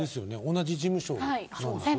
同じ事務所。